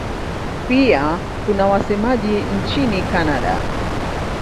Pia kuna wasemaji nchini Kanada.